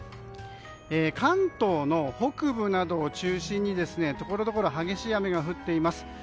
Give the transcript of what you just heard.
関東の北部などを中心にところどころ激しい雨が降っています。